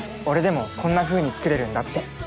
俺でもこんなふうに作れるんだって。